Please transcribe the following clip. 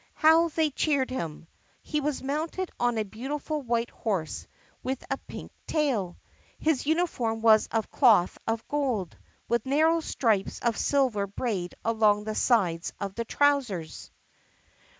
How they cheered him! He was mounted on a beautiful white horse with a pink tail. His uniform was of cloth of gold, with narrow stripes of silver braid along the sides of the trousers.